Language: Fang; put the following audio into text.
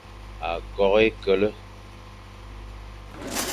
Akok h e kele,